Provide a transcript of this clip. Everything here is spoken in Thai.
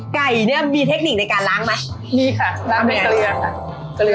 ไก่เนี้ยมีเทคนิคในการล้างไหมมีค่ะล้างในเกลือค่ะเกลือ